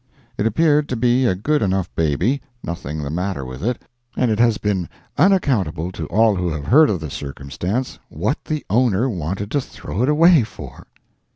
It appeared to be a good enough baby—nothing the matter with it—and it has been unaccountable to all who have heard of the circumstance, what the owner wanted to throw it away for.